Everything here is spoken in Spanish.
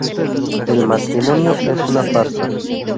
El matrimonio es una farsa.